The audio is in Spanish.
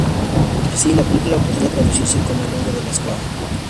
Así, la película podría traducirse como "El hombre de la squaw".